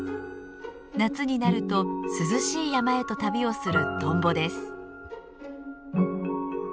夏になると涼しい山へと旅をするトンボです。